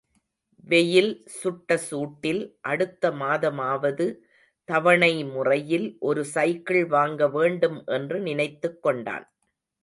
வெயில் சுட்ட சூட்டில் அடுத்த மாதமாவது தவணை முறையில் ஒரு சைக்கிள் வாங்க வேண்டும் என்று நினைத்துக் கொண்டான்.